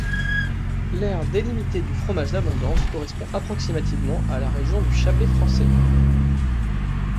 L'aire délimitée du fromage d'Abondance correspond approximativement à la région du Chablais français.